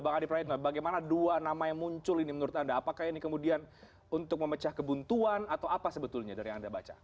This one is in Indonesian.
bang adi praetno bagaimana dua nama yang muncul ini menurut anda apakah ini kemudian untuk memecah kebuntuan atau apa sebetulnya dari yang anda baca